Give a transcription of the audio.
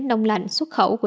đông lạnh xuất khẩu